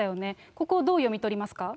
ここ、どう読み取りますか。